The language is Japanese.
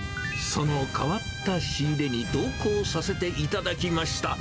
その変わった仕入れに同行させていただきました。